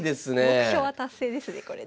目標は達成ですねこれで。